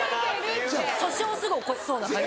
訴訟をすぐ起こしそうな感じ。